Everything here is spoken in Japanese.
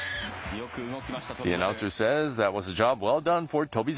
よく動きました翔猿。